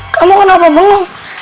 kamu kenapa bengong